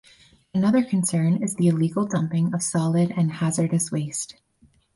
Another concern is the illegal dumping of solid and hazardous waste.